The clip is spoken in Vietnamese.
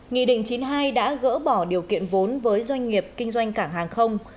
nghị định chín mươi hai đã gỡ bỏ điều kiện vốn với doanh nghiệp kinh doanh cảng hàng không